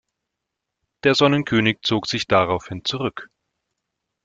Der Sonnenkönig zog sich daraufhin zurück.